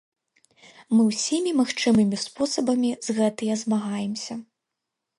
Мы ўсімі магчымымі спосабамі з гэтыя змагаемся.